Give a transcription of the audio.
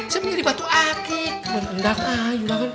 saya pilih batu aki kena pendang ayo bangun